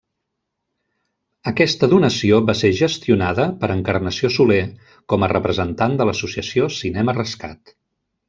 Aquesta donació va ser gestionada per Encarnació Soler com a representant de l'associació Cinema Rescat.